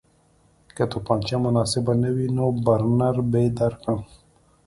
که توپانچه مناسبه نه وي نو برنر به درکړم